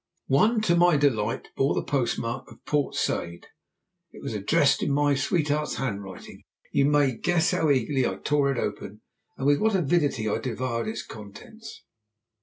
One, to my delight, bore the postmark of Port Said, and was addressed in my sweetheart's handwriting. You may guess how eagerly I tore it open, and with what avidity I devoured its contents.